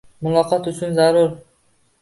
Muloqot uchun zarur